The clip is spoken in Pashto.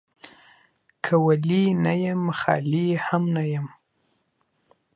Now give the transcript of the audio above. که ولي نه يم ، خالي هم نه يم.